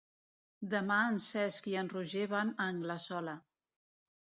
Demà en Cesc i en Roger van a Anglesola.